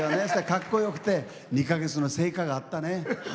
かっこよくて２か月の成果があったね。